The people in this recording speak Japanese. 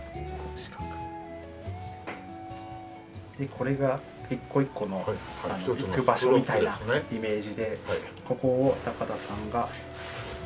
これが一個一個の行く場所みたいなイメージでここを高田さんが。